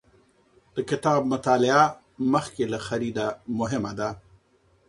د کتاب مطالعه مخکې له خرید مهمه ده.